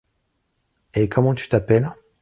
Et comment tu t’appelles ?